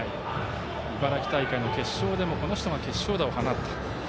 茨城大会の決勝でも松田が決勝打を放った。